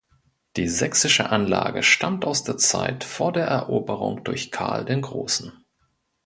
Die sächsische Anlage stammt aus der Zeit vor der Eroberung durch Karl den Großen.